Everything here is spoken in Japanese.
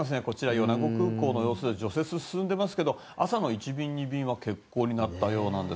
米子空港ですが除雪進んでいますが朝の１便、２便は欠航になったようです。